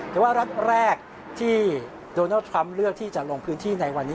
แต่ว่ารัฐแรกที่โดนัลดทรัมป์เลือกที่จะลงพื้นที่ในวันนี้